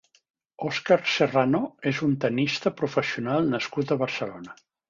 Óscar Serrano és un tennista professional nascut a Barcelona.